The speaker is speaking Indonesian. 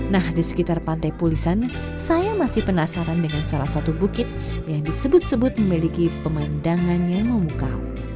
nah di sekitar pantai pulisan saya masih penasaran dengan salah satu bukit yang disebut sebut memiliki pemandangan yang memukau